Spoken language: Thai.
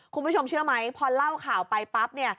คุณผู้ชมเชื่อไหมพอเล่าข่าวไปปั๊บเนี่ย